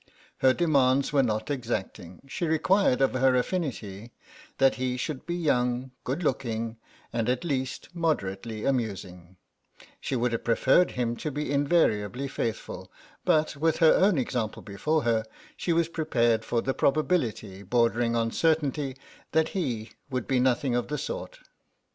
Her demands were not exacting; she required of her affinity that he should be young, good looking, and at least, moderately amusing; she would have preferred him to be invariably faithful, but, with her own example before her, she was prepared for the probability, bordering on certainty, that he would be nothing of the sort.